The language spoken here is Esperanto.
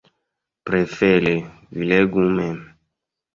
Prefere, vi legu mem.